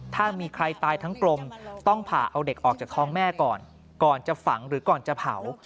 ถ้ามีใครตายทั้งกลมต้องผ่าเอาเด็กออกจากท้องแม่ก่อนก่อนจะฝังหรือก่อนจะเผา